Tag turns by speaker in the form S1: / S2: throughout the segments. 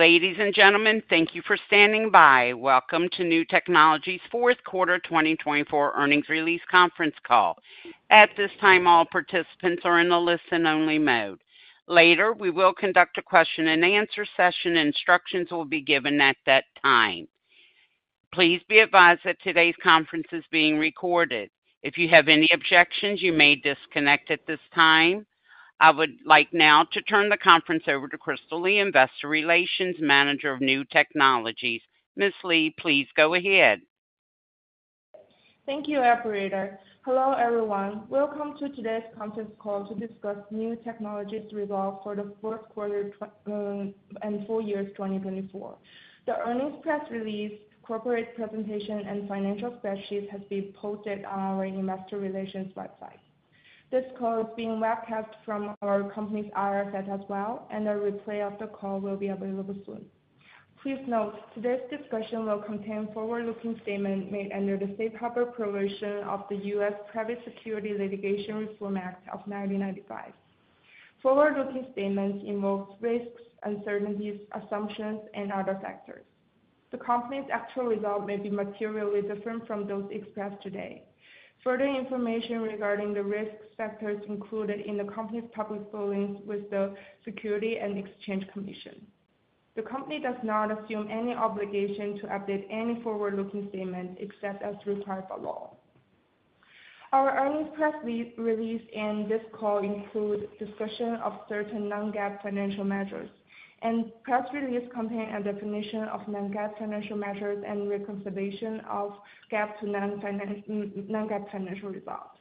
S1: Ladies and gentlemen, thank you for standing by. Welcome to Niu Technologies' Fourth Quarter 2024 Earnings Release Conference Call. At this time, all participants are in the listen-only mode. Later, we will conduct a question-and-answer session, and instructions will be given at that time. Please be advised that today's conference is being recorded. If you have any objections, you may disconnect at this time. I would like now to turn the conference over to Crystal Li, Investor Relations Manager of Niu Technologies. Ms. Li, please go ahead.
S2: Thank you, Operator. Hello, everyone. Welcome to today's conference call to discuss Niu Technologies' results for the fourth quarter and full year 2024. The earnings press release, corporate presentation, and financial spreadsheet have been posted on our Investor Relations website. This call is being webcast from our company's IR site as well, and a replay of the call will be available soon. Please note, today's discussion will contain forward-looking statements made under the safe harbor provision of the U.S. Private Securities Litigation Reform Act of 1995. Forward-looking statements involve risks, uncertainties, assumptions, and other factors. The company's actual results may be materially different from those expressed today. Further information regarding the risk factors is included in the company's public filings with the Securities and Exchange Commission. The company does not assume any obligation to update any forward-looking statement except as required by law. Our earnings press release and this call include discussion of certain non-GAAP financial measures, and press release contain a definition of non-GAAP financial measures and reconciliation of GAAP to non-GAAP financial results.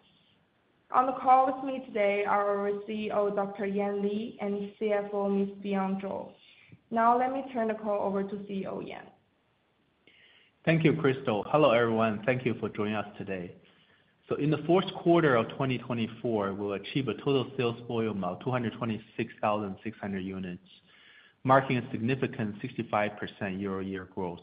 S2: On the call with me today are our CEO, Dr. Yan Li, and CFO, Ms. Fion Zhou. Now, let me turn the call over to CEO Yan.
S3: Thank you, Crystal. Hello, everyone. Thank you for joining us today. In the fourth quarter of 2024, we will achieve a total sales volume of 226,600 units, marking a significant 65% year-over-year growth.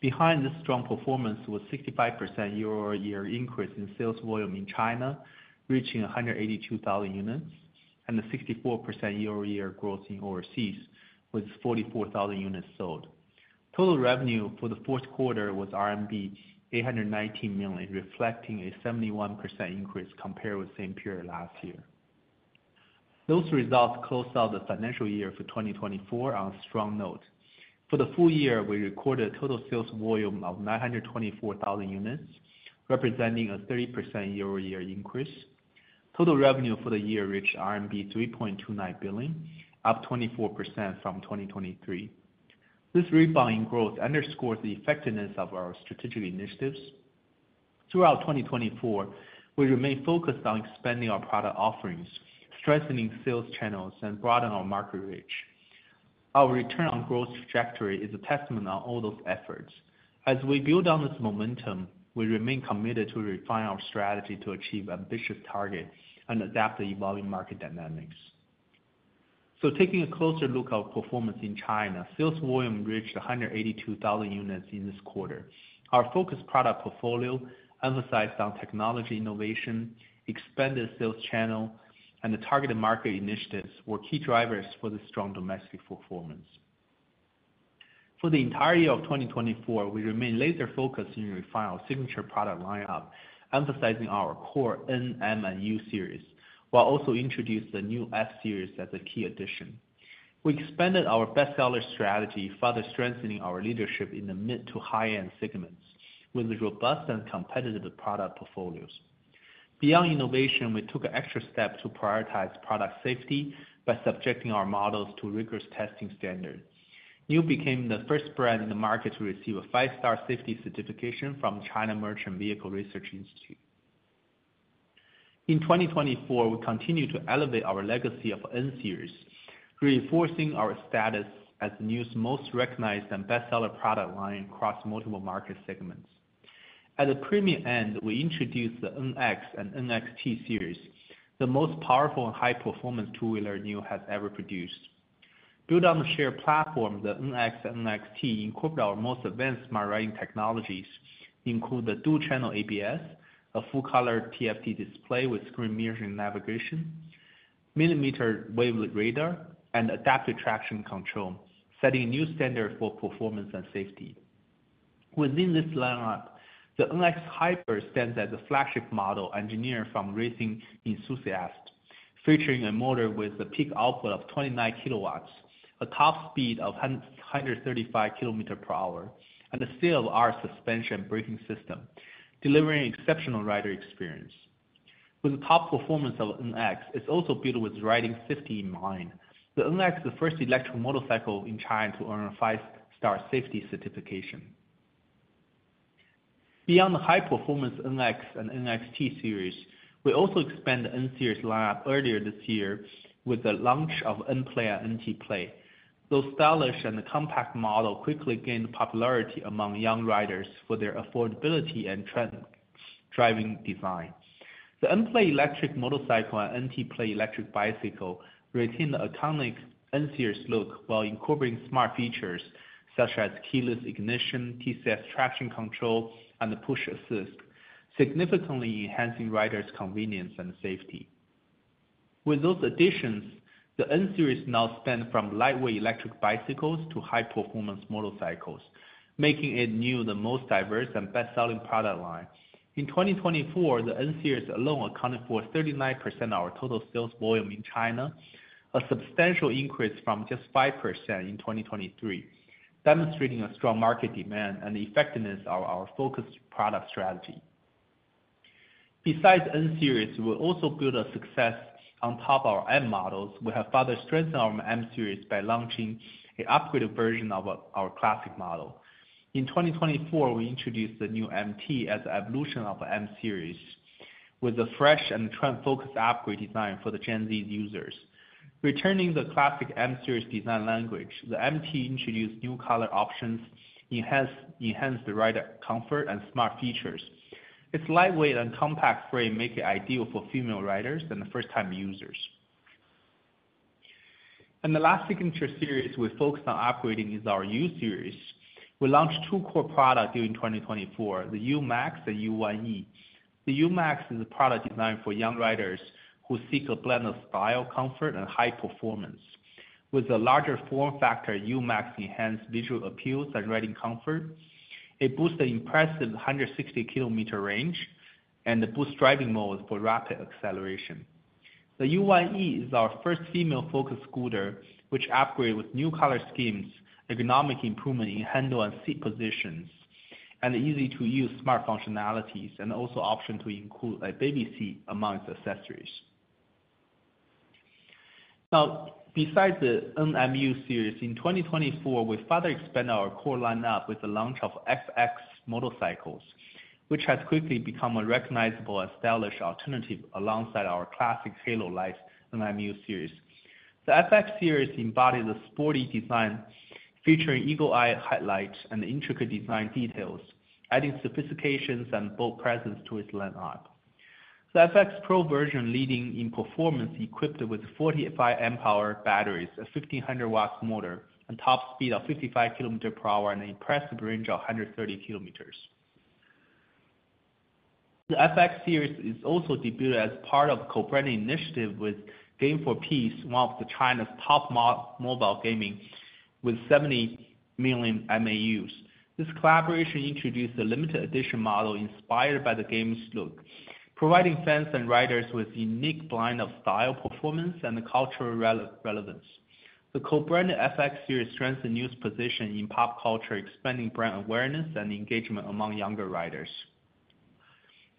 S3: Behind this strong performance was a 65% year-over-year increase in sales volume in China, reaching 182,000 units, and a 64% year-over-year growth in overseas with 44,000 units sold. Total revenue for the fourth quarter was RMB 819 million, reflecting a 71% increase compared with the same period last year. Those results closed out the financial year for 2024 on a strong note. For the full year, we recorded a total sales volume of 924,000 units, representing a 30% year-over-year increase. Total revenue for the year reached RMB 3.29 billion, up 24% from 2023. This rebound in growth underscores the effectiveness of our strategic initiatives. Throughout 2024, we remain focused on expanding our product offerings, strengthening sales channels, and broadening our market reach. Our return on growth trajectory is a testament to all those efforts. As we build on this momentum, we remain committed to refine our strategy to achieve ambitious targets and adapt to evolving market dynamics. Taking a closer look at our performance in China, sales volume reached 182,000 units in this quarter. Our focused product portfolio, emphasized on technology innovation, expanded sales channels, and the targeted market initiatives, were key drivers for the strong domestic performance. For the entirety of 2024, we remain laser-focused in refining our signature product lineup, emphasizing our core N, M, and U series, while also introducing the new S series as a key addition. We expanded our best-seller strategy, further strengthening our leadership in the mid- to high-end segments with robust and competitive product portfolios. Beyond innovation, we took an extra step to prioritize product safety by subjecting our models to rigorous testing standards. Niu became the first brand in the market to receive a five-star safety certification from the China Merchants Vehicle Research Institute. In 2024, we continue to elevate our legacy of the N series, reinforcing our status as Niu's most recognized and best-seller product line across multiple market segments. At the premium end, we introduced the NX and NXT series, the most powerful and high-performance two-wheeler Niu has ever produced. Built on the shared platform, the NX and NXT incorporate our most advanced smart riding technologies, including the dual-channel ABS, a full-color TFT display with screen mirroring navigation, millimeter wave radar, and adaptive traction control, setting a new standard for performance and safety. Within this lineup, the NX Hyper stands as a flagship model engineered for racing enthusiasts, featuring a motor with a peak output of 29 kW, a top speed of 135 kmph, and a state-of-the-art suspension and braking system, delivering an exceptional rider experience. With the top performance of NX, it's also built with riding safety in mind. The NX is the first electric motorcycle in China to earn a five-star safety certification. Beyond the high-performance NX and NXT series, we also expanded the N series lineup earlier this year with the launch of N Play and NXT Play. These stylish and compact models quickly gained popularity among young riders for their affordability and trend-driving design. The N-Play electric motorcycle and NXT Play electric bicycle retain the iconic N series look while incorporating smart features such as keyless ignition, TCS traction control, and the push assist, significantly enhancing riders' convenience and safety. With those additions, the N series now spans from lightweight electric bicycles to high-performance motorcycles, making it Niu the most diverse and best-selling product line. In 2024, the N series alone accounted for 39% of our total sales volume in China, a substantial increase from just 5% in 2023, demonstrating a strong market demand and the effectiveness of our focused product strategy. Besides N series, we also built a success on top of our M models. We have further strengthened our M series by launching an upgraded version of our classic model. In 2024, we introduced the new MT as an evolution of the M series, with a fresh and trend-focused upgrade design for the Gen Z users. Returning the classic M series design language, the MT introduced new color options that enhance the rider comfort and smart features. Its lightweight and compact frame make it ideal for female riders and first-time users. The last signature series we focused on upgrading is our U series. We launched two core products during 2024: the U Max and U-Yue. The U Max is a product designed for young riders who seek a blend of style, comfort, and high performance. With a larger form factor, U Max enhances visual appeals and riding comfort. It boasts the impressive 160 km range and boosts driving modes for rapid acceleration. The U-Yue is our first female-focused scooter, which upgrades with new color schemes, ergonomic improvements in handle and seat positions, and easy-to-use smart functionalities, and also an option to include a baby seat among its accessories. Now, besides the N, M, U series, in 2024, we further expanded our core lineup with the launch of FX motorcycles, which has quickly become a recognizable and stylish alternative alongside our classic Halo Lights N, M, U series. The FX series embodies a sporty design, featuring eagle-eye headlights and intricate design details, adding sophistication and bold presence to its lineup. The FX Pro version, leading in performance, is equipped with 45 amp-hour batteries, a 1,500-watt motor, and a top speed of 55 kmph impressive range of 130 km. The FX series is also debuted as part of a co-branding initiative with Game for Peace, one of China's top mobile gaming platforms, with 70 million MAUs. This collaboration introduced a limited-edition model inspired by the game's look, providing fans and riders with a unique blend of style, performance, and cultural relevance. The co-branded FX series strengthens Niu's position in pop culture, expanding brand awareness and engagement among younger riders.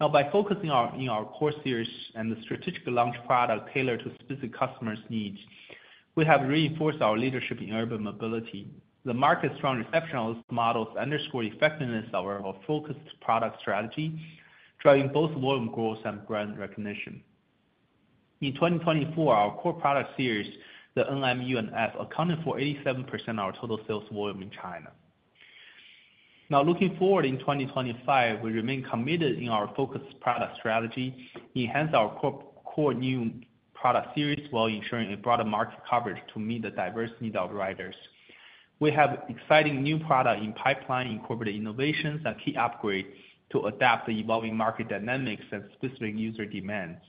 S3: Now, by focusing on our core series and the strategic launch product tailored to specific customers' needs, we have reinforced our leadership in urban mobility. The market's strong reception of this model underscores the effectiveness of our focused product strategy, driving both volume growth and brand recognition. In 2024, our core product series, the N, M, U, and F, accounted for 87% of our total sales volume in China. Now, looking forward in 2025, we remain committed to our focused product strategy, enhancing our core Niu product series while ensuring broader market coverage to meet the diverse needs of riders. We have exciting new products in pipeline, incorporating innovations and key upgrades to adapt to evolving market dynamics and specific user demands.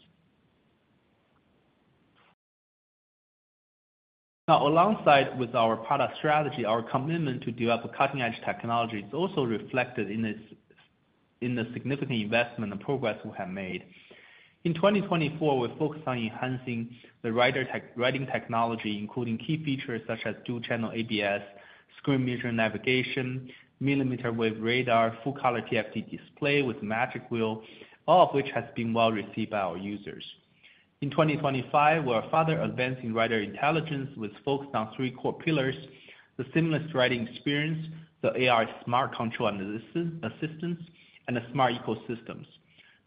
S3: Now, alongside our product strategy, our commitment to develop cutting-edge technology is also reflected in the significant investment and progress we have made. In 2024, we focused on enhancing the riding technology, including key features such as dual-channel ABS, screen mirroring navigation, millimeter wave radar, full-color TFT display with Magic Wheel, all of which have been well received by our users. In 2025, we are further advancing rider intelligence with focus on three core pillars: the seamless riding experience, the AR smart control and assistance, and the smart ecosystems.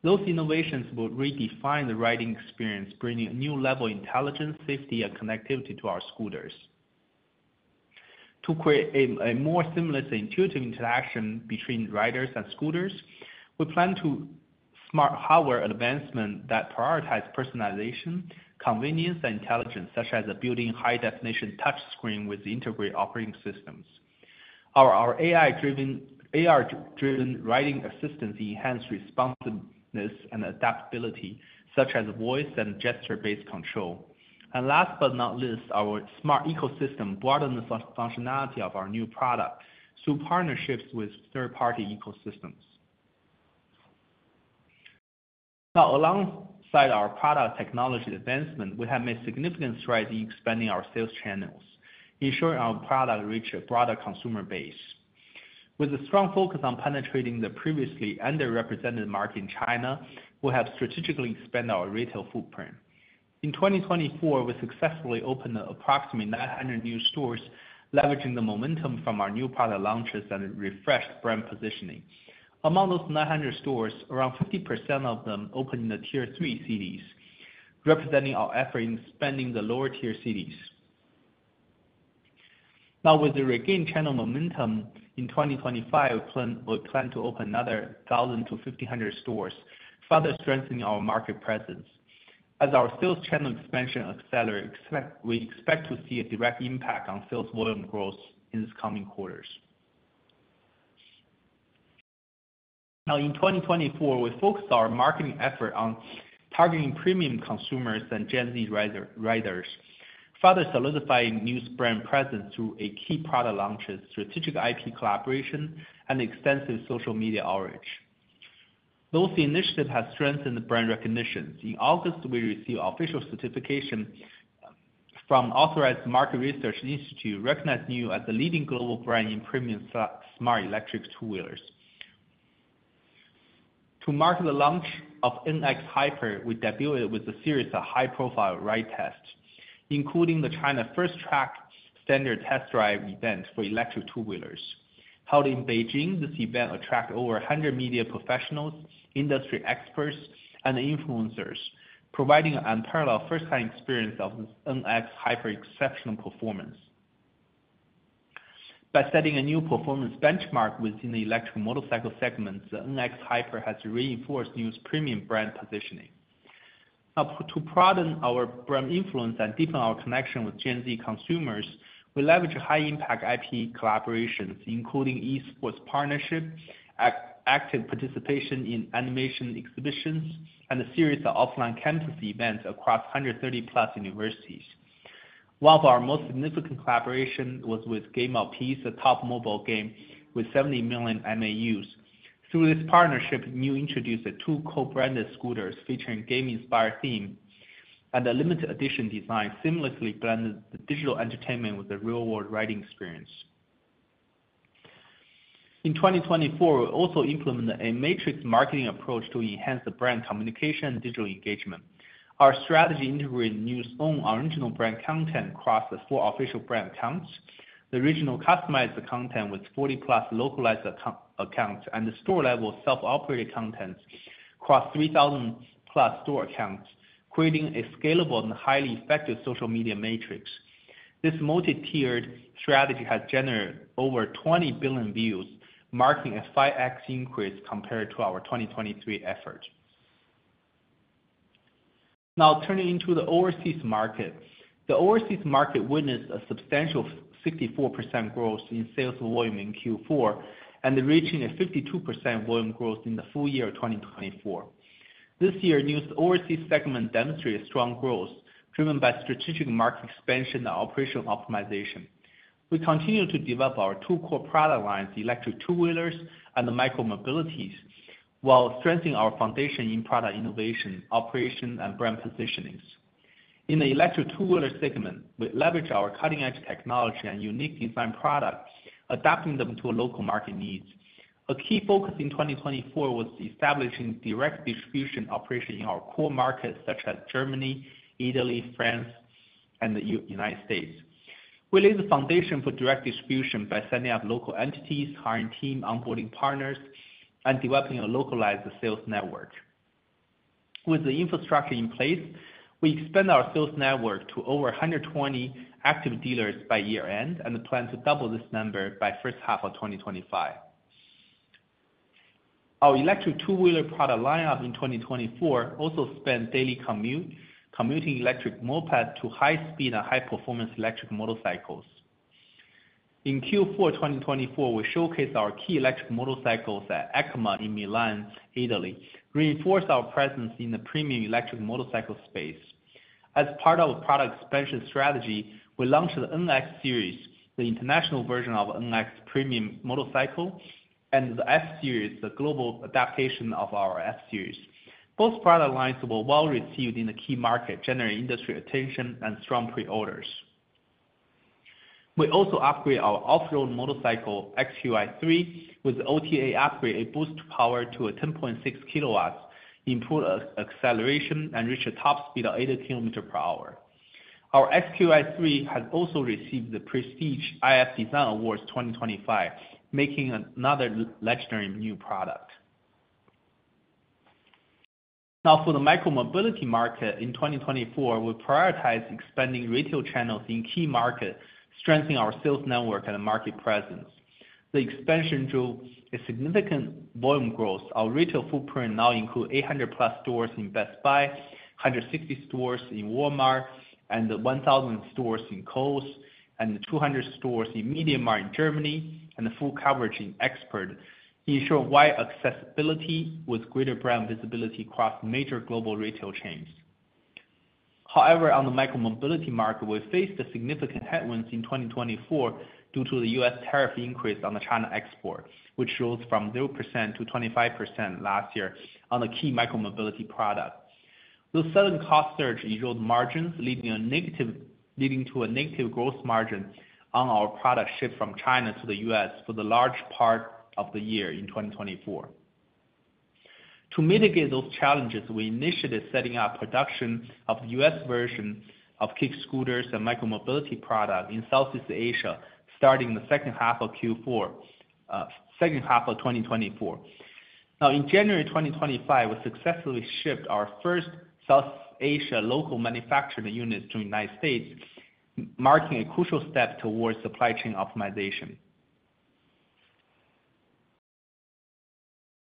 S3: Those innovations will redefine the riding experience, bringing a new level of intelligence, safety, and connectivity to our scooters. To create a more seamless and intuitive interaction between riders and scooters, we plan to smart hardware advancements that prioritize personalization, convenience, and intelligence, such as building high-definition touchscreens with integrated operating systems. Our AR-driven riding assistance enhances responsiveness and adaptability, such as voice and gesture-based control. Last but not least, our smart ecosystem broadens the functionality of our new product through partnerships with third-party ecosystems. Now, alongside our product technology advancements, we have made significant strides in expanding our sales channels, ensuring our product reaches a broader consumer base. With a strong focus on penetrating the previously underrepresented market in China, we have strategically expanded our retail footprint. In 2024, we successfully opened approximately 900 new stores, leveraging the momentum from our new product launches and refreshed brand positioning. Among those 900 stores, around 50% of them opened in the tier-three cities, representing our effort in expanding the lower-tier cities. Now, with the regained channel momentum, in 2025, we plan to open another 1,000-1,500 stores, further strengthening our market presence. As our sales channel expansion accelerates, we expect to see a direct impact on sales volume growth in the coming quarters. Now, in 2024, we focused our marketing efforts on targeting premium consumers and Gen Z riders, further solidifying Niu's brand presence through key product launches, strategic IP collaborations, and extensive social media outreach. Those initiatives have strengthened brand recognition. In August, we received official certification from the Authorised market research institute recognizing Niu as the leading global brand in premium smart electric two-wheelers. To mark the launch of NX Hyper, we debuted with a series of high-profile ride tests, including the China First Track Standard Test Drive event for electric two-wheelers. Held in Beijing, this event attracted over 100 media professionals, industry experts, and influencers, providing an unparalleled first-hand experience of NX Hyper's exceptional performance. By setting a new performance benchmark within the electric motorcycle segment, the NX Hyper has reinforced Niu's premium brand positioning. Now, to broaden our brand influence and deepen our connection with Gen Z consumers, we leveraged high-impact IP collaborations, including e-sports partnerships, active participation in animation exhibitions, and a series of offline campus events across 130-plus universities. One of our most significant collaborations was with Game for Peace, a top mobile game with 70 million MAUs. Through this partnership, Niu introduced two co-branded scooters featuring game-inspired themes, and a limited-edition design seamlessly blended digital entertainment with the real-world riding experience. In 2024, we also implemented a matrix marketing approach to enhance brand communication and digital engagement. Our strategy integrated Niu's own original brand content across the four official brand accounts, the regional customized content with 40+ localized accounts, and the store-level self-operated content across 3,000-plus store accounts, creating a scalable and highly effective social media matrix. This multi-tiered strategy has generated over 20 billion views, marking a 5x increase compared to our 2023 effort. Now, turning to the overseas market, the overseas market witnessed a substantial 64% growth in sales volume in Q4 and reaching a 52% volume growth in the full year of 2024. This year, Niu's overseas segment demonstrated strong growth, driven by strategic market expansion and operational optimization. We continue to develop our two core product lines, the electric two-wheelers and the micro-mobilities, while strengthening our foundation in product innovation, operation, and brand positioning's. In the electric two-wheeler segment, we leveraged our cutting-edge technology and unique design products, adapting them to local market needs. A key focus in 2024 was establishing direct distribution operations in our core markets, such as Germany, Italy, France, and the United States. We laid the foundation for direct distribution by setting up local entities, hiring teams, onboarding partners, and developing a localized sales network. With the infrastructure in place, we expanded our sales network to over 120 active dealers by year-end and plan to double this number by the first half of 2025. Our electric two-wheeler product lineup in 2024 also spanned daily commuting, electric mopeds, to high-speed and high-performance electric motorcycles. In Q4 2024, we showcased our key electric motorcycles at EICMA in Milan, Italy, reinforcing our presence in the premium electric motorcycle space. As part of our product expansion strategy, we launched the NX series, the international version of the NX Premium motorcycle, and the F series, the global adaptation of our F series. Both product lines were well received in the key market, generating industry attention and strong pre-orders. We also upgraded our off-road motorcycle, XQi3, with the OTA upgrade, a boost to power to 10.6 kW, improved acceleration, and reached a top speed of 80 kmph. Our XQi3 has also received the prestigious iF Design Awards 2025, making it another legendary new product. Now, for the micro-mobility market, in 2024, we prioritized expanding retail channels in key markets, strengthening our sales network and market presence. The expansion drew significant volume growth. Our retail footprint now includes 800+ stores in Best Buy, 160 stores in Walmart, 1,000 stores in Kohl's, 200 stores in MediaMarkt in Germany, and full coverage in Expert, ensuring wide accessibility with greater brand visibility across major global retail chains. However, on the micro-mobility market, we faced significant headwinds in 2024 due to the U.S. tariff increase on China exports, which rose from 0% to 25% last year on key micro-mobility products. This sudden cost surge eroded margins, leading to a negative gross margin on our product shipped from China to the U.S. for the large part of the year in 2024. To mitigate those challenges, we initiated setting up production of the U.S. version of kick scooters and micro-mobility products in Southeast Asia starting the second half of 2024. Now, in January 2025, we successfully shipped our first Southeast Asia local manufacturing units to the United States, marking a crucial step towards supply chain optimization.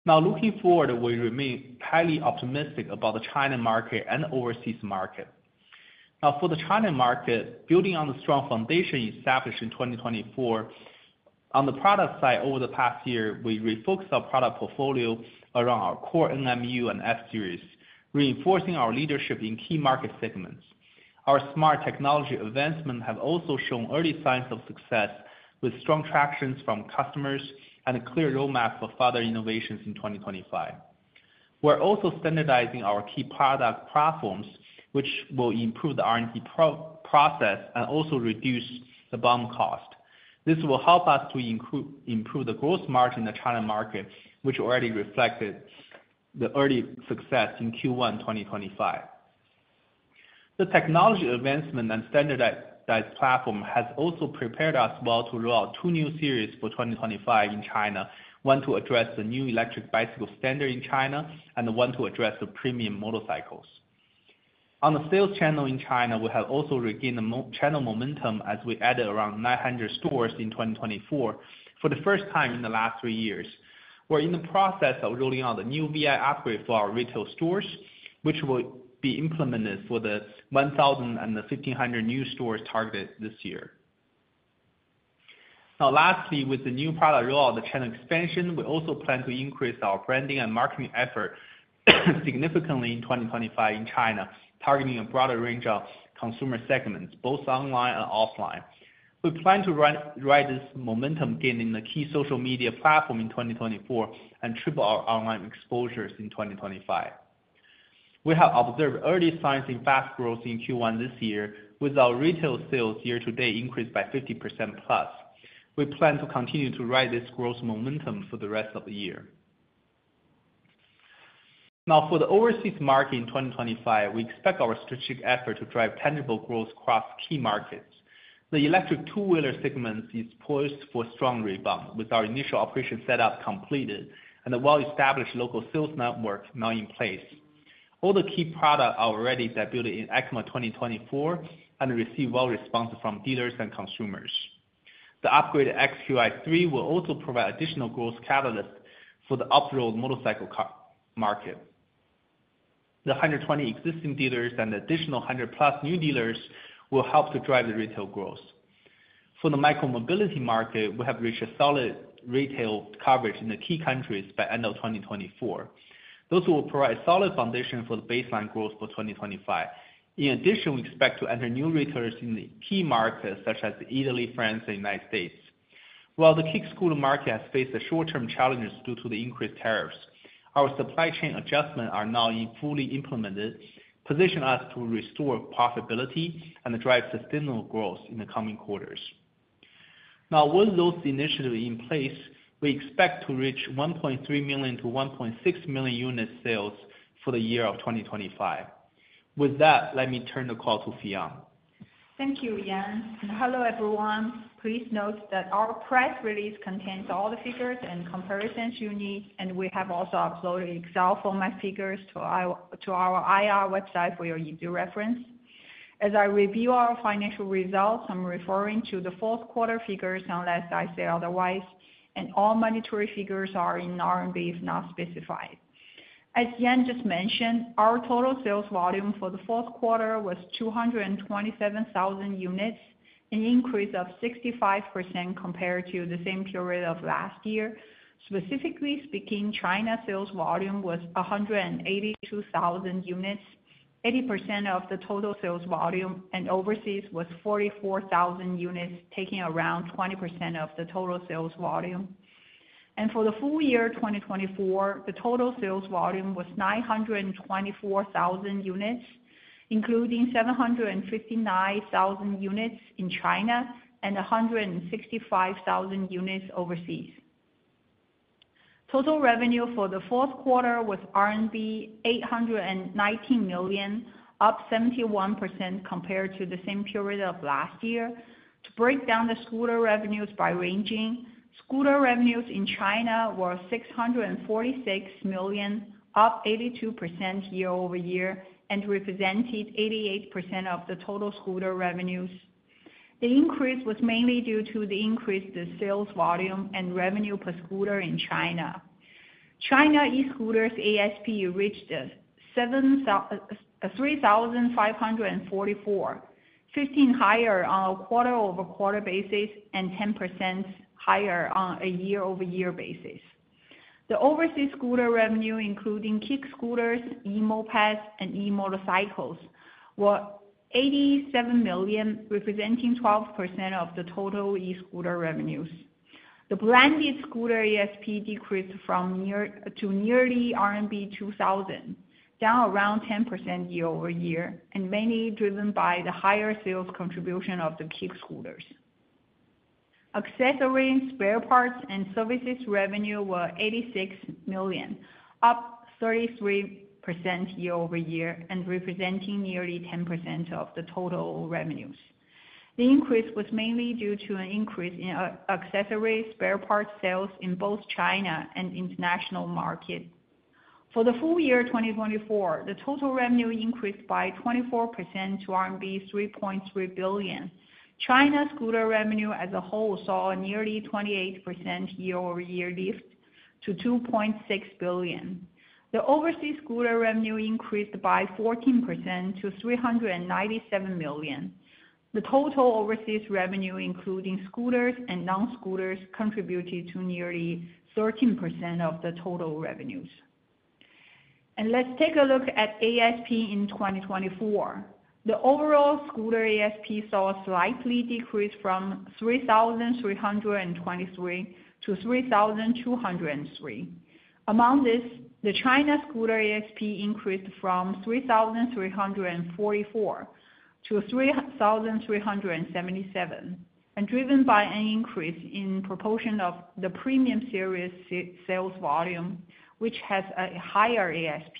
S3: Now, looking forward, we remain highly optimistic about the China market and overseas market. Now, for the China market, building on the strong foundation established in 2024, on the product side, over the past year, we refocused our product portfolio around our core N series and F series, reinforcing our leadership in key market segments. Our smart technology advancements have also shown early signs of success, with strong traction from customers and a clear roadmap for further innovations in 2025. We're also standardizing our key product platforms, which will improve the R&D process and also reduce the BOM cost. This will help us to improve the gross margin in the China market, which already reflected the early success in Q1 2025. The technology advancement and standardized platform has also prepared us well to roll out two new series for 2025 in China, one to address the new electric bicycle standard in China and one to address the premium motorcycles. On the sales channel in China, we have also regained channel momentum as we added around 900 stores in 2024 for the first time in the last three years. We're in the process of rolling out a new VI upgrade for our retail stores, which will be implemented for the 1,000 and the 1,500 new stores targeted this year. Now, lastly, with the new product rollout of the channel expansion, we also plan to increase our branding and marketing efforts significantly in 2025 in China, targeting a broader range of consumer segments, both online and offline. We plan to ride this momentum gaining the key social media platform in 2024 and triple our online exposures in 2025. We have observed early signs of fast growth in Q1 this year, with our retail sales year-to-date increased by 50%+. We plan to continue to ride this growth momentum for the rest of the year. Now, for the overseas market in 2025, we expect our strategic efforts to drive tangible growth across key markets. The electric two-wheeler segment is poised for a strong rebound with our initial operation setup completed and a well-established local sales network now in place. All the key products are already debuted in EICMA 2024 and received well responses from dealers and consumers. The upgraded XQi3 will also provide additional growth catalysts for the off-road motorcycle market. The 120 existing dealers and the additional 100+ new dealers will help to drive the retail growth. For the micro-mobility market, we have reached solid retail coverage in the key countries by end of 2024. Those will provide a solid foundation for the baseline growth for 2025. In addition, we expect to enter new retailers in the key markets such as Italy, France, and the United States. While the kick scooter market has faced short-term challenges due to the increased tariffs, our supply chain adjustments are now fully implemented, positioning us to restore profitability and drive sustainable growth in the coming quarters. Now, with those initiatives in place, we expect to reach 1.3 million-1.6 million unit sales for the year of 2025. With that, let me turn the call to Fion.
S4: Thank you, Yan. Hello, everyone. Please note that our press release contains all the figures and comparisons you need, and we have also uploaded Excel format figures to our IR website for your easy reference. As I review our financial results, I'm referring to the fourth quarter figures unless I say otherwise, and all mandatory figures are in RMB if not specified. As Yan just mentioned, our total sales volume for the fourth quarter was 227,000 units, an increase of 65% compared to the same period of last year. Specifically speaking, China's sales volume was 182,000 units, 80% of the total sales volume, and overseas was 44,000 units, taking around 20% of the total sales volume. For the full year 2024, the total sales volume was 924,000 units, including 759,000 units in China and 165,000 units overseas. Total revenue for the fourth quarter was RMB 819 million, up 71% compared to the same period of last year. To break down the scooter revenues by region, scooter revenues in China were 646 million, up 82% year-over-year, and represented 88% of the total scooter revenues. The increase was mainly due to the increase in the sales volume and revenue per scooter in China. China e-scooters ASP reached 3,544, 15% higher on a quarter-over-quarter basis and 10% higher on a year-over-year basis. The overseas scooter revenue, including kick scooters, e-mopeds, and e-motorcycles, was 87 million, representing 12% of the total e-scooter revenues. The branded scooter ASP decreased from nearly RMB 2,000, down around 10% year-over-year, and mainly driven by the higher sales contribution of the kick scooters. Accessories, spare parts, and services revenue was 86 million, up 33% year-over-year, and representing nearly 10% of the total revenues. The increase was mainly due to an increase in accessories, spare parts sales in both China and international markets. For the full year 2024, the total revenue increased by 24% to RMB 3.3 billion. China's scooter revenue as a whole saw a nearly 28% year-over-year lift to 2.6 billion. The overseas scooter revenue increased by 14% to 397 million. The total overseas revenue, including scooters and non-scooters, contributed to nearly 13% of the total revenues. Let's take a look at ASP in 2024. The overall scooter ASP saw a slight decrease from 3,323 to 3,203. Among this, the China scooter ASP increased from 3,344 to 3,377, and driven by an increase in proportion of the premium series sales volume, which has a higher ASP.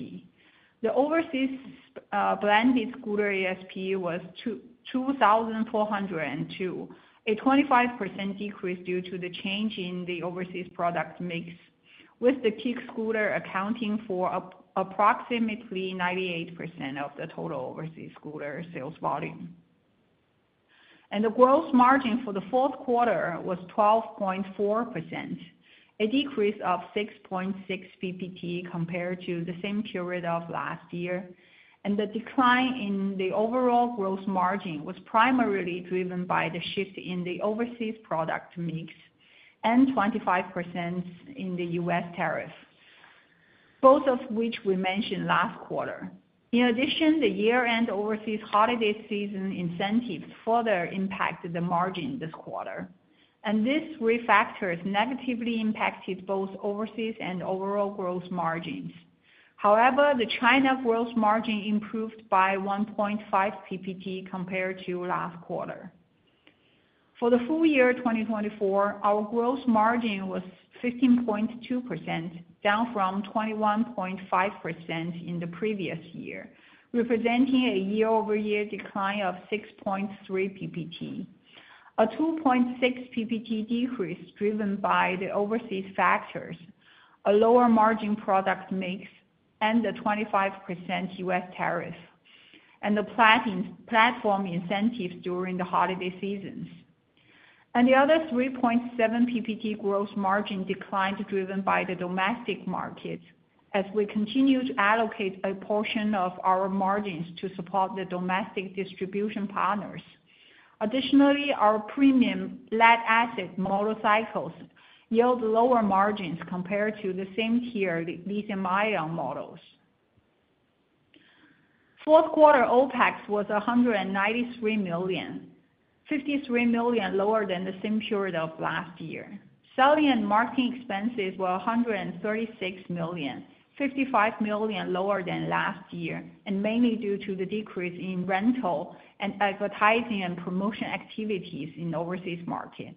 S4: The overseas branded scooter ASP was 2,402, a 25% decrease due to the change in the overseas product mix, with the kick scooter accounting for approximately 98% of the total overseas scooter sales volume. The gross margin for the fourth quarter was 12.4%, a decrease of 6.6 percentage points compared to the same period of last year. The decline in the overall gross margin was primarily driven by the shift in the overseas product mix and 25% in the U.S. tariff, both of which we mentioned last quarter. In addition, the year-end overseas holiday season incentives further impacted the margin this quarter, and this refactor has negatively impacted both overseas and overall gross margins. However, the China gross margin improved by 1.5 ppt compared to last quarter. For the full year 2024, our gross margin was 15.2%, down from 21.5% in the previous year, representing a year-over-year decline of 6.3 ppt. A 2.6 ppt decrease driven by the overseas factors, a lower margin product mix, and the 25% U.S. tariff, and the platform incentives during the holiday seasons. The other 3.7 ppt gross margin decline driven by the domestic markets, as we continue to allocate a portion of our margins to support the domestic distribution partners. Additionally, our premium lead-acid motorcycles yield lower margins compared to the same-tier lithium-ion models. Fourth quarter OPEX was 193 million, 53 million lower than the same period of last year. Selling and marketing expenses were 136 million, 55 million lower than last year, and mainly due to the decrease in rental and advertising and promotion activities in the overseas market.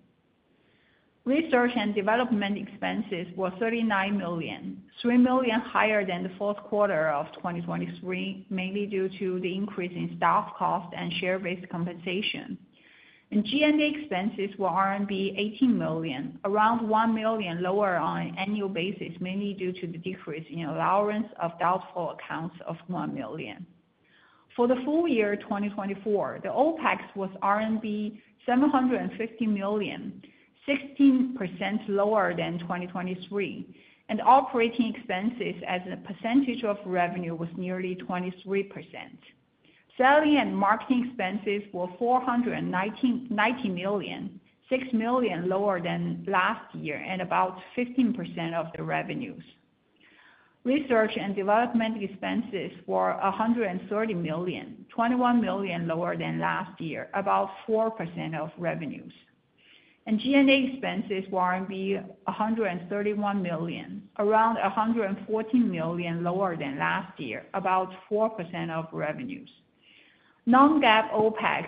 S4: Research and development expenses were 39 million, 3 million higher than the fourth quarter of 2023, mainly due to the increase in staff cost and share-based compensation. G&A expenses were RMB 18 million, around 1 million lower on an annual basis, mainly due to the decrease in allowance of doubtful accounts of 1 million. For the full year 2024, the OPEX was RMB 750 million, 16% lower than 2023, and operating expenses as a percentage of revenue was nearly 23%. Selling and marketing expenses were 490 million, 6 million lower than last year, and about 15% of the revenues. Research and development expenses were 130 million, 21 million lower than last year, about 4% of revenues. G&A expenses were 131 million, around 114 million lower than last year, about 4% of revenues. Non-GAAP OPEX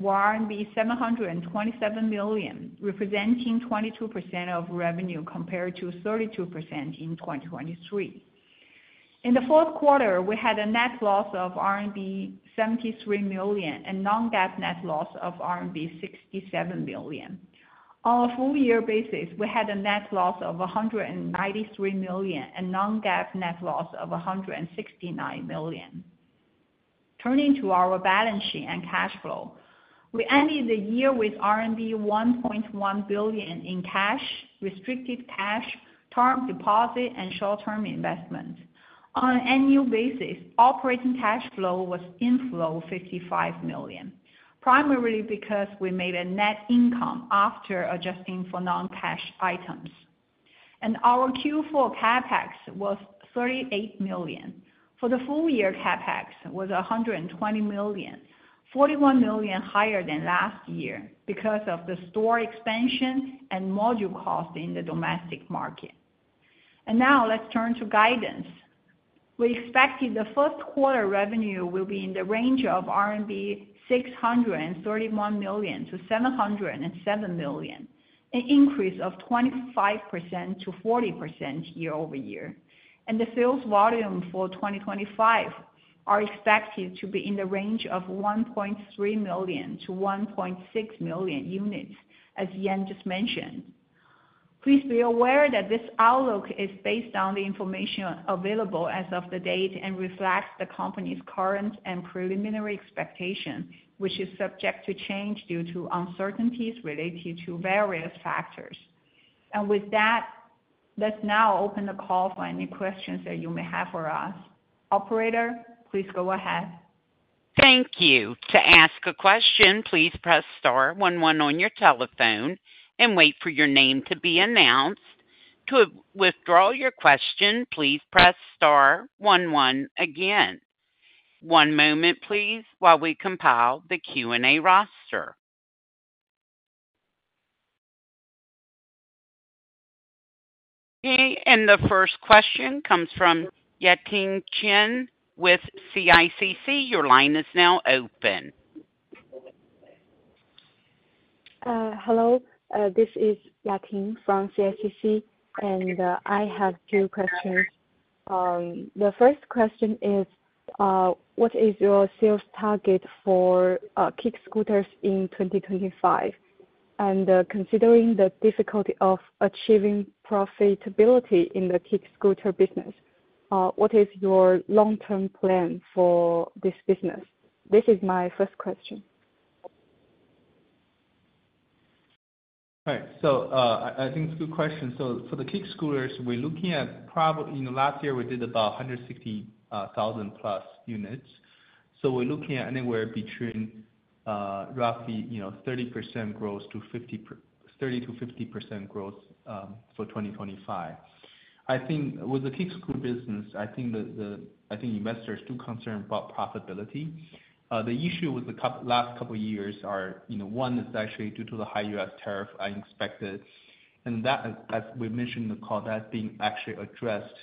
S4: were 727 million, representing 22% of revenue compared to 32% in 2023. In the fourth quarter, we had a net loss of RMB 73 million and non-GAAP net loss of RMB 67 million. On a full year basis, we had a net loss of 193 million and non-GAAP net loss of 169 million. Turning to our balance sheet and cash flow, we ended the year with 1.1 billion in cash, restricted cash, term deposit, and short-term investments. On an annual basis, operating cash flow was inflow 55 million, primarily because we made a net income after adjusting for non-cash items. Our Q4 CapEx was 38 million. For the full year, CapEx was 120 million, 41 million higher than last year because of the store expansion and module cost in the domestic market. Now let's turn to guidance. We expected the first quarter revenue will be in the range of 631 million-707 million RMB, an increase of 25%-40% year-over-year. The sales volume for 2025 are expected to be in the range of 1.3 million-1.6 million units, as Yan just mentioned. Please be aware that this outlook is based on the information available as of the date and reflects the company's current and preliminary expectations, which is subject to change due to uncertainties related to various factors. With that, let's now open the call for any questions that you may have for us. Operator, please go ahead.
S1: Thank you. To ask a question, please press star one one on your telephone and wait for your name to be announced. To withdraw your question, please press star one one again. One moment, please, while we compile the Q&A roster. Okay. The first question comes from Yating Chen with CICC. Your line is now open.
S5: Hello. This is Yating from CICC, and I have two questions. The first question is, what is your sales target for kick scooters in 2025? And considering the difficulty of achieving profitability in the kick scooter business, what is your long-term plan for this business? This is my first question.
S3: All right. I think it's a good question. For the kick scooters, we're looking at probably in the last year, we did about 160,000+ units. We're looking at anywhere between roughly 30% growth to 30-50% growth for 2025. I think with the kick scooter business, I think investors do concern about profitability. The issue with the last couple of years are, one, it's actually due to the high U.S. tariff I expected. As we mentioned in the call, that's being actually addressed,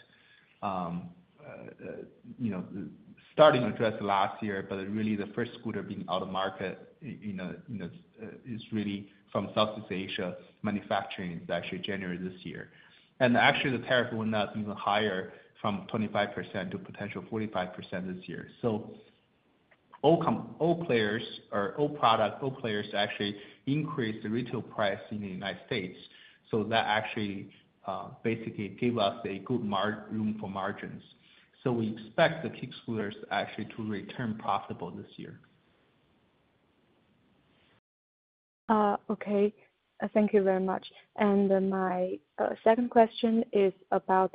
S3: starting addressed last year, but really the first scooter being out of market is really from Southeast Asia manufacturing is actually January this year. Actually, the tariff went up even higher from 25% to potential 45% this year. All players or all products, all players actually increased the retail price in the United States. That actually basically gave us a good room for margins. We expect the kick scooters actually to return profitable this year.
S5: Okay. Thank you very much. My second question is about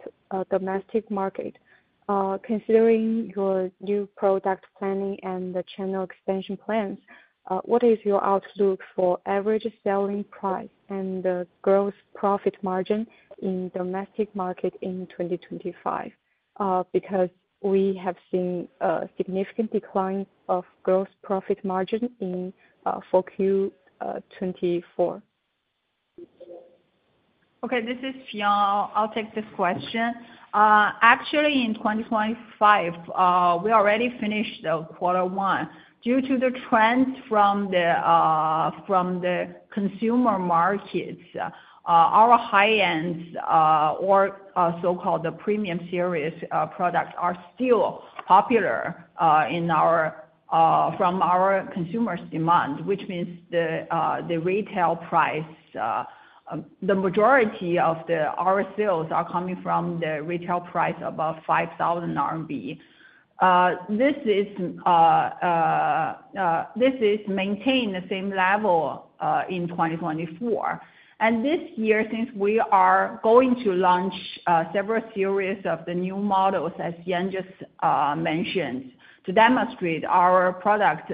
S5: domestic market. Considering your new product planning and the channel expansion plans, what is your outlook for average selling price and the gross profit margin in domestic market in 2025? Because we have seen a significant decline of gross profit margin in Q4 2024.
S4: Okay. This is Fion. I'll take this question. Actually, in 2025, we already finished quarter one. Due to the trends from the consumer markets, our high-end or so-called premium series products are still popular from our consumers' demand, which means the retail price, the majority of our sales are coming from the retail price above 5,000 RMB. This is maintained the same level in 2024. This year, since we are going to launch several series of the new models, as Yan just mentioned, to demonstrate our product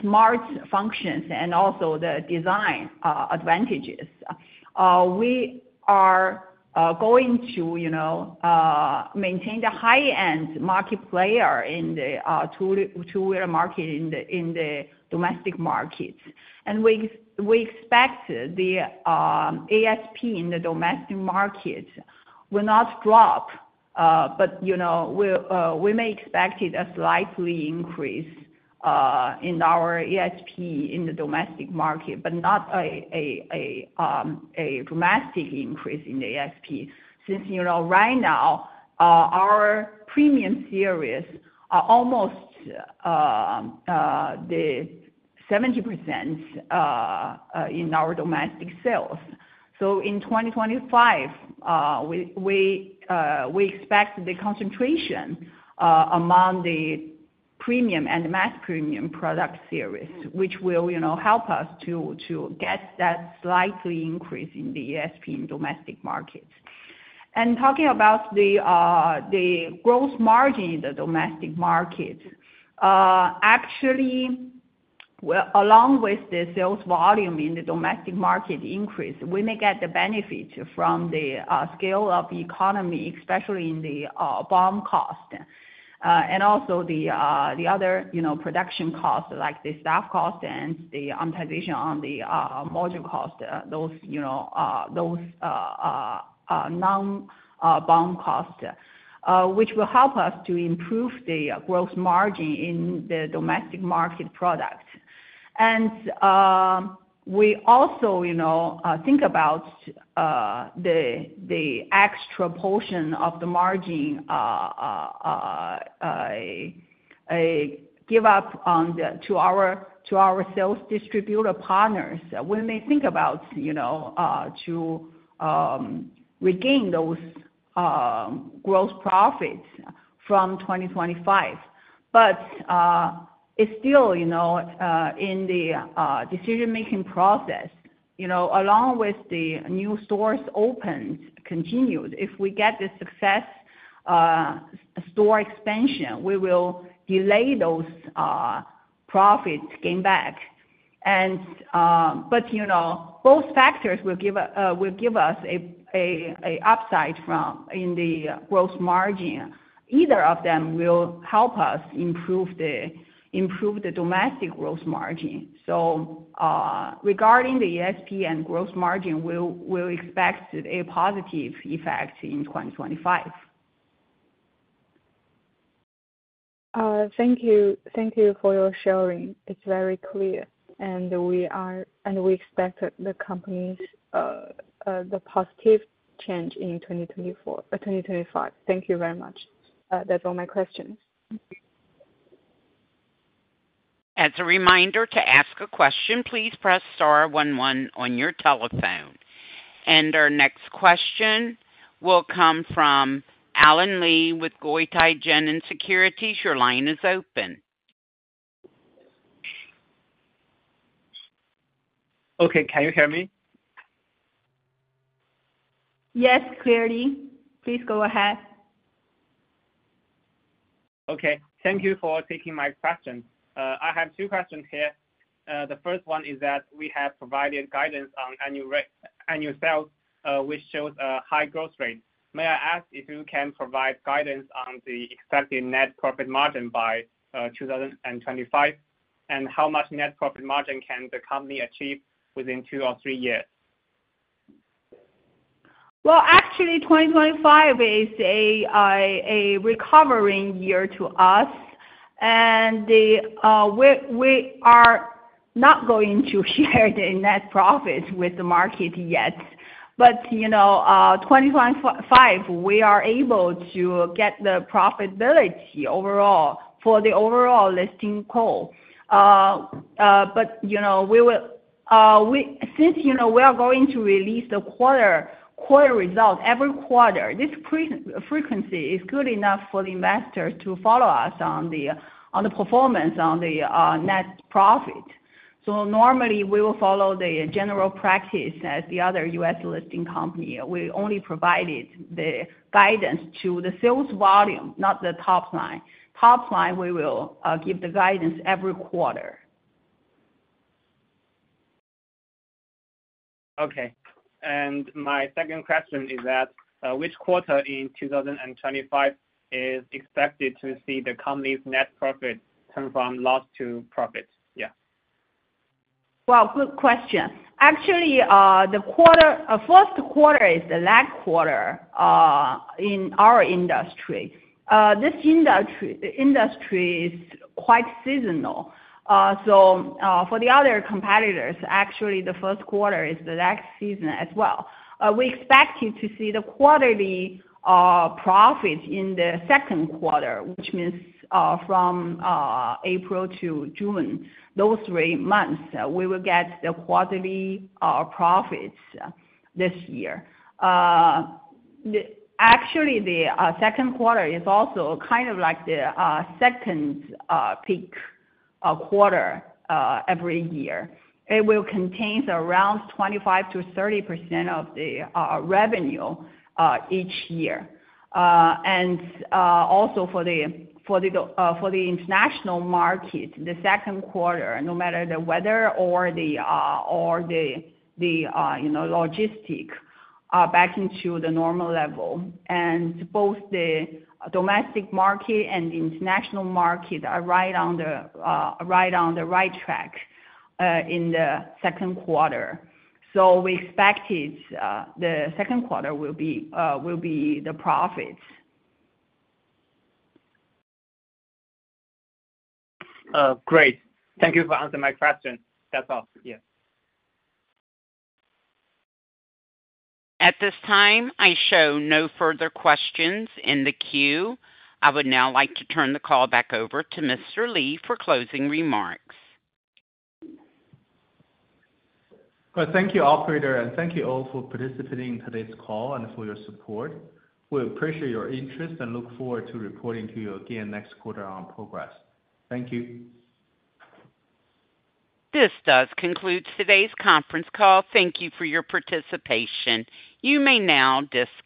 S4: smart functions and also the design advantages, we are going to maintain the high-end market player in the two-wheeler market in the domestic markets. We expect the ASP in the domestic market will not drop, but we may expect a slight increase in our ASP in the domestic market, but not a drastic increase in the ASP, since right now our premium series are almost 70% in our domestic sales. In 2025, we expect the concentration among the premium and mass premium product series, which will help us to get that slight increase in the ASP in domestic markets. Talking about the gross margin in the domestic markets, actually, along with the sales volume in the domestic market increase, we may get the benefit from the scale of the economy, especially in the BOM cost and also the other production costs like the staff cost and the amortization on the module cost, those non-BOM costs, which will help us to improve the gross margin in the domestic market product. We also think about the extra portion of the margin give-up to our sales distributor partners. We may think about to regain those gross profits from 2025. It is still in the decision-making process. Along with the new stores opened, continued, if we get the success store expansion, we will delay those profits to gain back. Both factors will give us an upside in the gross margin. Either of them will help us improve the domestic gross margin. Regarding the ASP and gross margin, we will expect a positive effect in 2025.
S5: Thank you. Thank you for your sharing. It is very clear. We expect the company's positive change in 2025. Thank you very much. That is all my questions.
S1: As a reminder, to ask a question, please press star 11 on your telephone. Our next question will come from Alice Li with Guotai Junan Securities. Your line is open.
S6: Okay. Can you hear me?
S7: Yes, clearly. Please go ahead.
S6: Okay. Thank you for taking my question. I have two questions here. The first one is that we have provided guidance on annual sales, which shows a high growth rate. May I ask if you can provide guidance on the expected net profit margin by 2025? And how much net profit margin can the company achieve within two or three years?
S4: Actually, 2025 is a recovering year to us. We are not going to share the net profit with the market yet. 2025, we are able to get the profitability overall for the overall listing call. Since we are going to release the quarter results every quarter, this frequency is good enough for the investors to follow us on the performance on the net profit. Normally, we will follow the general practice as the other U.S. listing company. We only provided the guidance to the sales volume, not the top line. Top line, we will give the guidance every quarter. Okay. My second question is that which quarter in 2025 is expected to see the company's net profit turn from loss to profit? Yeah. Good question. Actually, the first quarter is the lag quarter in our industry. This industry is quite seasonal. For the other competitors, actually, the first quarter is the lag season as well. We expect you to see the quarterly profit in the second quarter, which means from April to June, those three months, we will get the quarterly profits this year. Actually, the second quarter is also kind of like the second peak quarter every year. It will contain around 25%-30% of the revenue each year. Also, for the international market, the second quarter, no matter the weather or the logistic, are back into the normal level. Both the domestic market and the international market are right on the right track in the second quarter. We expect the second quarter will be the profits.
S6: Great. Thank you for answering my question. That's all. Yeah.
S1: At this time, I show no further questions in the queue. I would now like to turn the call back over to Mr. Li for closing remarks.
S3: Thank you, Operator. Thank you all for participating in today's call and for your support. We appreciate your interest and look forward to reporting to you again next quarter on progress. Thank you.
S1: This does conclude today's conference call. Thank you for your participation. You may now disconnect.